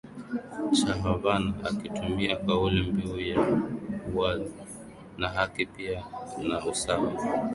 Cha Havana akitumia kauli mbiu ya uwazi na haki pia na usawa